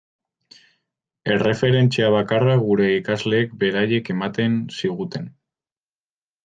Erreferentzia bakarra gure ikasleek beraiek ematen ziguten.